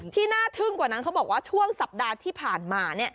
ที่น่าทึ่งกว่านั้นเขาบอกว่าช่วงสัปดาห์ที่ผ่านมา